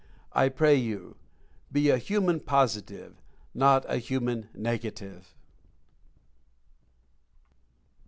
I pray you, be a HUMAN POSITIVE, not a HUMAN NEGATIVE!